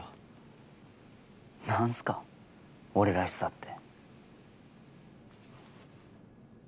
何すか俺らしさって。